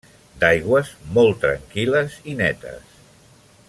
D'aigües molt tranquil·les i netes.